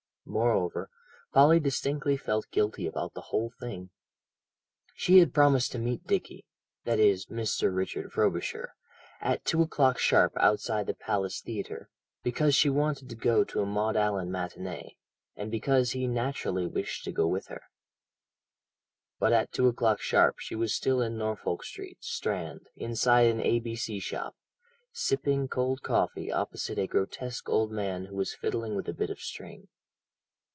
Moreover, Polly distinctly felt guilty about the whole thing. She had promised to meet Dickie that is Mr. Richard Frobisher at two o'clock sharp outside the Palace Theatre, because she wanted to go to a Maud Allan matinée, and because he naturally wished to go with her. But at two o'clock sharp she was still in Norfolk Street, Strand, inside an A.B.C. shop, sipping cold coffee opposite a grotesque old man who was fiddling with a bit of string.